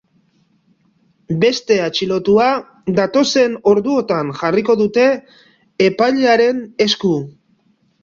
Beste atxilotua datozen orduotan jarriko dute epailearen esku.